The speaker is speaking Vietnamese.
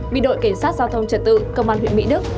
vì đội kiểm soát giao thông trật tự công an huyện mỹ đức